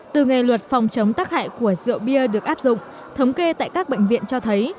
từ ngày luật phòng chống tắc hại của rượu bia được áp dụng thống kê tại các bệnh viện cho thấy